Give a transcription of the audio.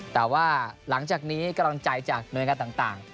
แต่ว่าหลังจากนี้ก้อนใจจากเงินการต่าง